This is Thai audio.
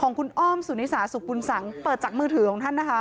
ของคุณอ้อมสุนิสาสุขบุญสังเปิดจากมือถือของท่านนะคะ